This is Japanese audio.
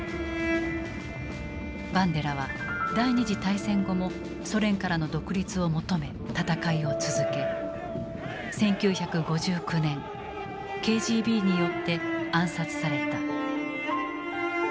バンデラは第二次大戦後もソ連からの独立を求め戦いを続け１９５９年ＫＧＢによって暗殺された。